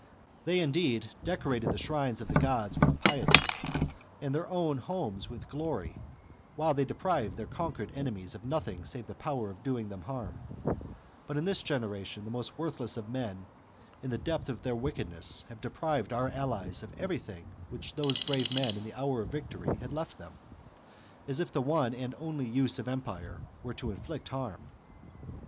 They, indeed, decorated the shrines of the gods with piety, and their own homes with glory, while they deprived their conquered enemies of nothing save the power of doing them harm ; but in this generation the most worthless of men in the depth THE CONSPIRACY OF CATILINE. H of their wickedness have deprived our allies of every ^^f^ thing which those brave men in the hour of victory had left them, as if the one and only use of empire were to inflict harm.